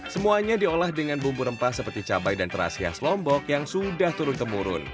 semuanya diolah dengan bumbu rempah seperti cabai dan terasi khas lombok yang sudah turun temurun